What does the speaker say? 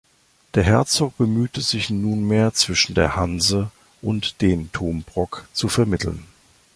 Der Herzog bemühte sich nunmehr, zwischen der Hanse und den tom Brook zu vermitteln.